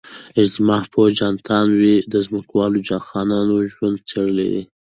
اجتماع پوه جاناتان وی د ځمکوالو خانانو ژوند څېړلی دی.